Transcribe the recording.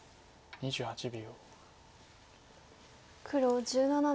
２８秒。